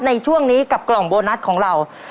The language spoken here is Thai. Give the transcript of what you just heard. ในช่วงนี้กับกล่องโบนัสของเรา